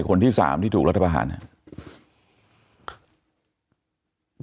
คนที่๓ที่ถูกรัฐพาหารนะ